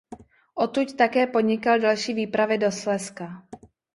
Odtud také podnikal další výpravy do Slezska.